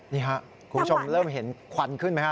นี่ค่ะคุณผู้ชมเริ่มเห็นขวัญขึ้นไหมฮะ